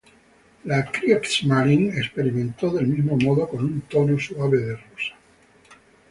La Kriegsmarine experimentó del mismo modo con un tono suave de rosa.